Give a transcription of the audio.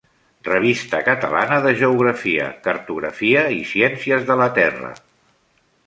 Revista Catalana de Geografia, Cartografia i Ciències de la Terra.